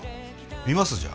見ます？じゃあ。